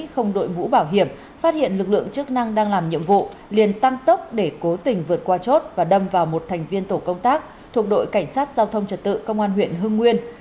không đội mũ bảo hiểm phát hiện lực lượng chức năng đang làm nhiệm vụ liền tăng tốc để cố tình vượt qua chốt và đâm vào một thành viên tổ công tác thuộc đội cảnh sát giao thông trật tự công an huyện hưng nguyên